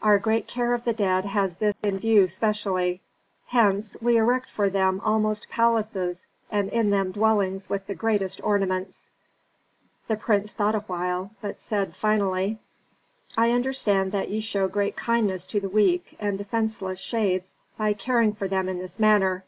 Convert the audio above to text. Our great care of the dead has this in view specially; hence we erect for them almost palaces and in them dwellings with the greatest ornaments." The prince thought awhile, but said finally, "I understand that ye show great kindness to weak and defenceless shades by caring for them in this manner.